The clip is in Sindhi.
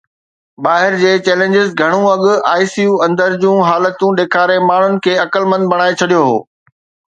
ٻاهر جي چينلز گهڻو اڳ ICU اندر جون حالتون ڏيکاري ماڻهن کي عقلمند بڻائي ڇڏيو هو